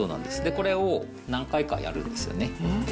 で、これを何回かやるんですよね。